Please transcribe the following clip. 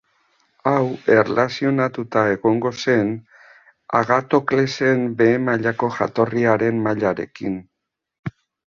Hau erlazionatuta egongo zen Agatoklesen behe mailako jatorriaren mailarekin.